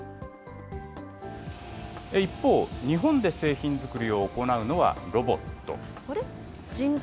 一方、日本で製品作りを行うのはロボット。